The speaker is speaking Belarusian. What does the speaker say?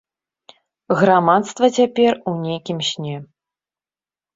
Грамадства цяпер у нейкім сне.